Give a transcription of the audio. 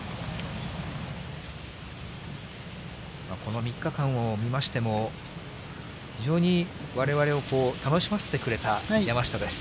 この３日間を見ましても、非常にわれわれをこう、楽しませてくれた山下です。